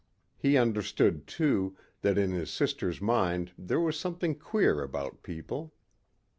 He understood, too, that in his sister's mind there was something queer about people.